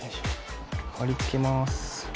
貼り付けます。